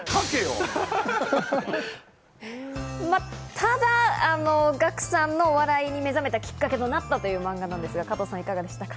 ただ、ガクさんのお笑いに目覚めたきっかけとなったというマンガなんですが、いかがでしたか？